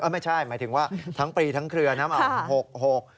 ไม่ใช่หมายถึงว่าทั้งปรีทั้งเครือน้ำออก๖๖